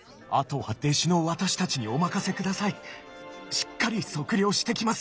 しっかり測量してきます！